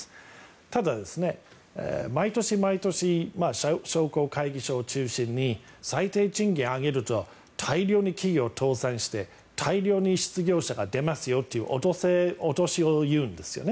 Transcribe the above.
ただ、毎年毎年商工会議所を中心に最低賃金を上げると大量に企業が倒産して大量に失業者が出ますよという脅しを言うんですよね。